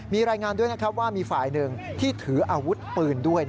มีรายงานด้วยนะครับว่ามีฝ่ายหนึ่งที่ถืออาวุธปืนด้วย